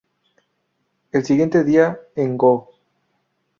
El siguiente día en "Go!